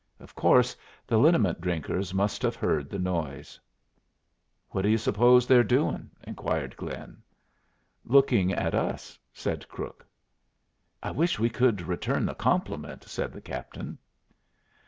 Of course the liniment drinkers must have heard the noise. "What do you suppose they're doing?" inquired Glynn. "Looking at us," said Crook. "I wish we could return the compliment," said the captain.